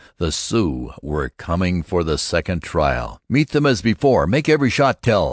The Sioux were coming for the second trial. "Meet them as before! Make every shot tell!"